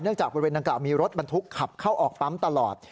จากบริเวณดังกล่าวมีรถบรรทุกขับเข้าออกปั๊มตลอด